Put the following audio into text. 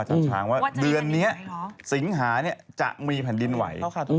ทางช้างว่าเดือนนี้สิงหาจะมีแผ่นดินไหว